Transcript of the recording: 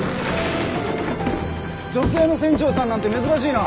女性の船長さんなんて珍しいな。